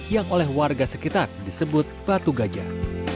yang oleh warga sekitar disebut batu gajah